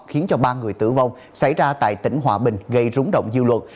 khiến cho ba người tử vong xảy ra tại tỉnh hòa bình gây rúng động dư luận